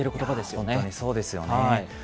本当そうですよね。